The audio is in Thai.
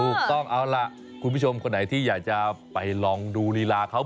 ถูกต้องเอาล่ะคุณผู้ชมคนไหนที่อยากจะไปลองดูลีลาเขา